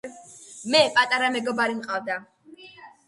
მე პატარა მეგობარი მყავდა.